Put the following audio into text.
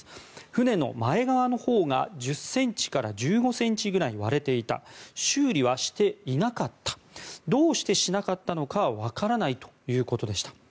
船の前側のほうが１０ｃｍから１５ｃｍぐらい割れていた修理はしていなかったどうしてしなかったのかはわからないということでした。